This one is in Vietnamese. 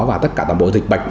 và tất cả tổng bộ dịch bệnh